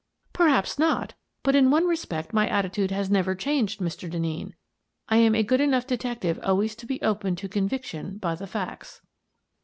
" Perhaps not, but in one respect my attitude has never changed, Mr. Denneen; I am a good enough detective always to be open to conviction by the facts."